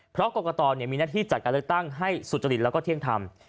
เพราะกรกตมีหน้าที่จัดการเลือกตั้งให้สุจริตแล้วก็เที่ยงธรรม